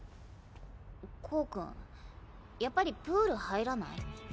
コウ君やっぱりプール入らない？